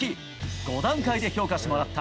５段階で評価してもらった。